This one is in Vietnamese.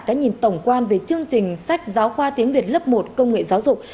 cái nhìn tổng quan về chương trình sách giáo khoa tiếng việt lớp một công nghệ giáo dục